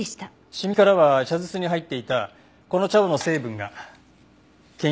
シミからは茶筒に入っていたこの茶葉の成分が検出されました。